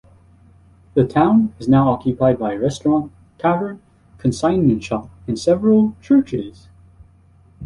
The town is now occupied by a restaurant, tavern, consignment shop and several churches.